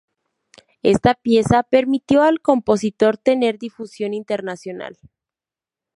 Esta pieza permitió al compositor tener difusión internacional.